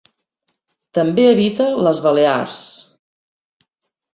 També habita les Balears.